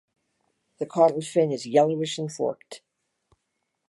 The caudal fin is yellowish and forked.